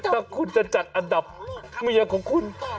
ถ้าคุณจะจัดอันดับเมียของคุณ